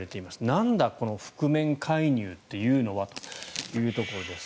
なんだ、この覆面介入というのはというところです。